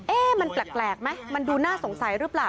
มันแปลกไหมมันดูน่าสงสัยหรือเปล่า